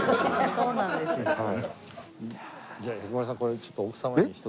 そうなんですよ。